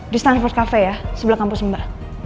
di stanford cafe ya sebelah kampus mbak